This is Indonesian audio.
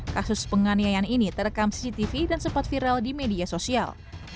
kasus penganiayaan ini terekam cctv dan sempat viral di media sosial